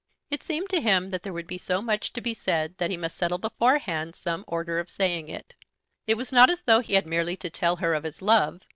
It seemed to him that there would be so much to be said that he must settle beforehand some order of saying it. It was not as though he had merely to tell her of his love.